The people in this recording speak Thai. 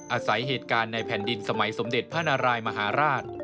อาศัยเหตุการณ์ในแผ่นดินสมัยสมเด็จพระนารายมหาราช